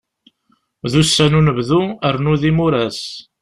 D ussan n unebdu rnu d imuras.